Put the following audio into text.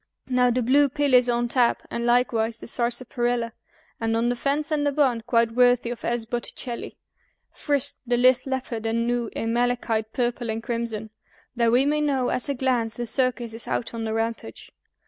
Now the blue pill is on tap, and likewise the sarsaparilla, And on the fence and the barn, quite worthy of S. Botticelli, Frisk the lithe leopard and gnu, in malachite, purple, and crimson, That we may know at a glance the circus is out on the rampage.